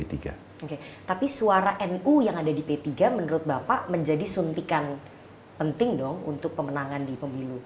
oke tapi suara nu yang ada di p tiga menurut bapak menjadi suntikan penting dong untuk pemenangan di pemilu